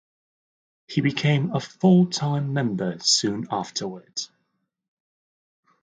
He became a full-time member soon afterward.